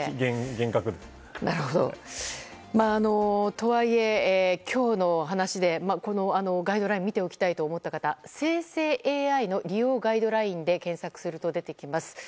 とはいえ、今日の話でこのガイドラインを見ておきたいと思った方は生成ＡＩの利用ガイドラインで検索すると出てきます。